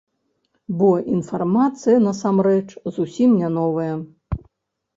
Бо інфармацыя насамрэч зусім не новая.